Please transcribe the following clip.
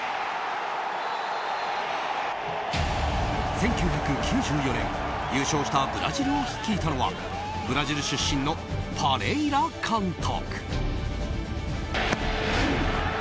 １９９４年優勝したブラジルを率いたのはブラジル出身のパレイラ監督。